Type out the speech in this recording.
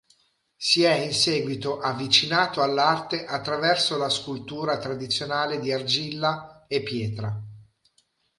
Si è in seguito avvicinato all'arte attraverso la scultura tradizionale di argilla e pietra.